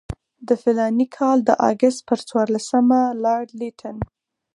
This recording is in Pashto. د فلاني کال د اګست پر څوارلسمه لارډ لیټن.